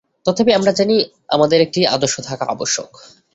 তথাপি আমরা জানি, আমাদের একটি আদর্শ থাকা আবশ্যক।